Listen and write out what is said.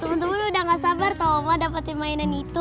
temen temen udah gak sabar tau oma dapetin mainan itu